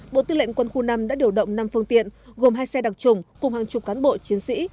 bộ tư lệnh quân khu năm đã điều động năm phương tiện gồm hai xe đặc trùng cùng hàng chục cán bộ chiến sĩ